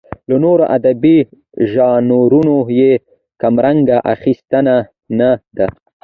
له نورو ادبي ژانرونو یې کمرنګه اخیستنه نه ده.